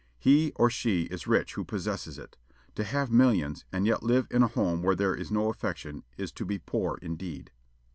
He or she is rich who possesses it. To have millions, and yet live in a home where there is no affection, is to be poor indeed.